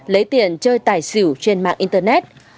lấy tiền chơi tài xỉu trên mạng internet